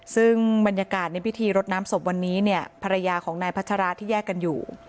ซึ่งบรรยากาศในพิธีรดน้ำศพวันนี้เนี่ยภรรยาของนายพัชราที่แยกกันอยู่